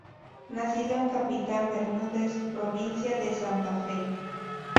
Nacido en Capitán Bermúdez, Provincia de Santa Fe.